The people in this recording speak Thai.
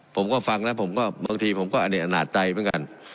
ผมก็ฟังแล้วผมก็บางทีผมก็อเนตอนาจใจเหมือนกัน